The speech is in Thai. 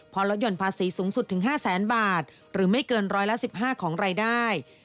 พอลดห่อนภาษีสูงสุดถึง๕แสนบาทหรือไม่เกินร้อยละ๑๕ของรายได้